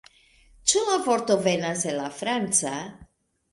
Ĉu la vorto venas el la franca?